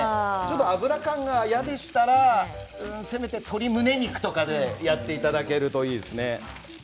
油感が嫌でしたらせめて、鶏むね肉とかでやっていただけるといいですね。